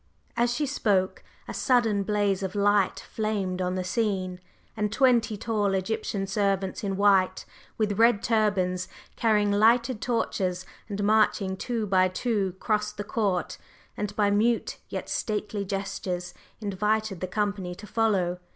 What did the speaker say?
As she spoke, a sudden blaze of light flamed on the scene, and twenty tall Egyptian servants in white, with red turbans, carrying lighted torches and marching two by two crossed the court, and by mute yet stately gestures invited the company to follow.